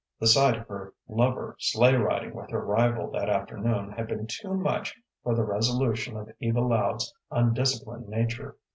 The sight of her lover sleigh riding with her rival that afternoon had been too much for the resolution of Eva Loud's undisciplined nature.